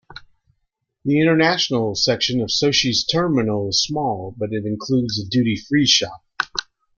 The international section of Sochi's terminal is small, but it includes a duty-free shop.